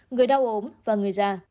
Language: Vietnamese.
người đau ốm và người già